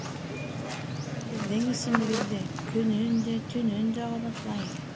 Һеҙҙең исемегеҙҙе көнөн дә, төнөн дә ҡабатлайым